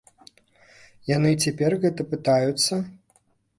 Яны цяпер гэта пытаюцца?